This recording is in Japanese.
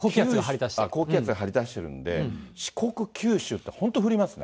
高気圧が張り出してるんで、四国、九州って本当、降りますね。